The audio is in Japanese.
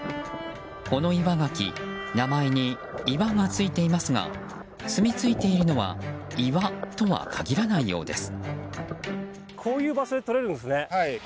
このイワガキ名前にイワがついていますがすみついているのは岩とは限らないようです。